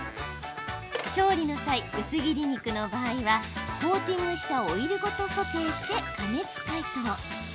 調理の際、薄切り肉の場合はコーティングしたオイルごとソテーして加熱解凍。